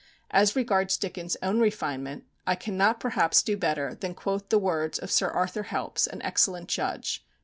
As regards Dickens' own refinement, I cannot perhaps do better than quote the words of Sir Arthur Helps, an excellent judge.